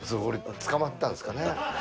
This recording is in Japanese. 俺捕まったんですかね。